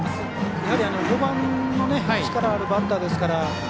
やはり５番の力あるバッターですから。